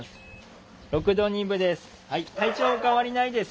６度２分です。